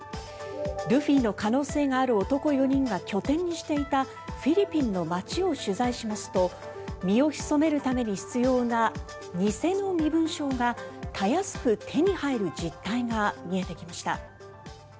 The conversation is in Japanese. ルフィの可能性がある男４人が拠点にしていたフィリピンの街を取材しますと身を潜めるために必要な偽の身分証がたやすく手に入る実態が見えてきました。